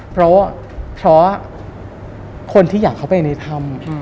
เพราะคนที่อยากเข้าไปในถ้ำ